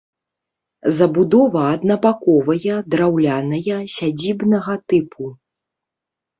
Забудова аднабаковая, драўляная, сядзібнага тыпу.